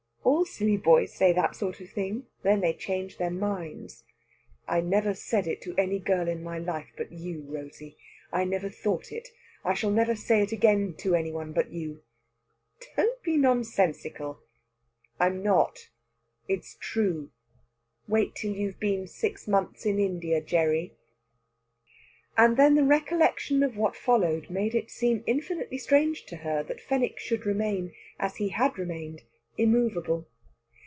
"All silly boys say that sort of thing. Then they change their minds." "I never said it to any girl in my life but you, Rosey. I never thought it. I shall never say it again to any one but you." "Don't be nonsensical!" "I'm not! It's true." "Wait till you've been six months in India, Gerry." And then the recollection of what followed made it seem infinitely strange to her that Fenwick should remain, as he had remained, immovable.